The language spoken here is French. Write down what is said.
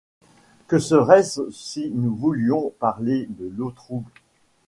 Que serait-ce si nous voulions parler de l’eau trouble !